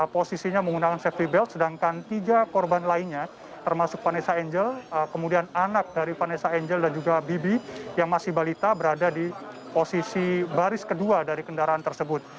posisinya menggunakan safety belt sedangkan tiga korban lainnya termasuk vanessa angel kemudian anak dari vanessa angel dan juga bibi yang masih balita berada di posisi baris kedua dari kendaraan tersebut